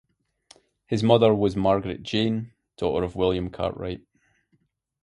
His mother was Margaret Jane, daughter of William Cartwright.